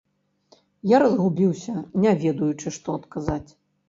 Я разгубіўся, не ведаючы, што адказаць.